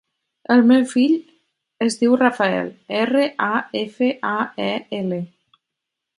El meu fill es diu Rafael: erra, a, efa, a, e, ela.